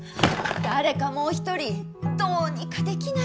誰かもう一人どうにかできないんですか？